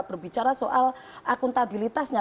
berbicara soal akuntabilitasnya